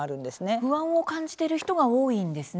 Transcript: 不安を感じている人が多いんですね。